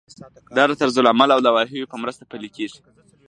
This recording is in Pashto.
دا د طرزالعملونو او لوایحو په مرسته پلی کیږي.